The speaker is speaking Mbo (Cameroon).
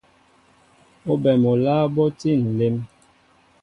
Óɓem oláá ɓɔ tí nlem.